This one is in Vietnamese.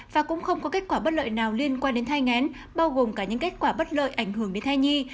và cũng không có kết quả bất lợi nào liên quan đến thai ngén bao gồm cả những kết quả bất lợi ảnh hưởng đến thai nhi